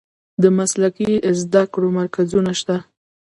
د مسلکي زده کړو مرکزونه شته؟